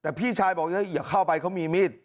แต่พี่ชายบอกอย่าเข้าไปเขามีมีด